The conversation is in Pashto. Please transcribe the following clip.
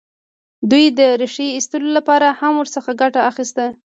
دوی د ریښې ایستلو لپاره هم ورڅخه ګټه اخیسته.